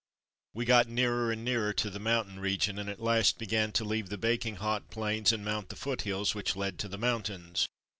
We got nearer and nearer to the mountain region and at last began to leave the baking hot plains and mount the foothills which led to the mountains.